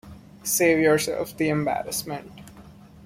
Save Yourself The Embarrassment.